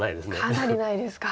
かなりないですか。